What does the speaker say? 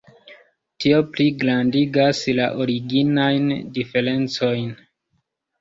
Tio pligrandigas la originajn diferencojn.